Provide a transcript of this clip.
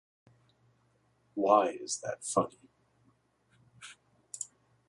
Why is that funny?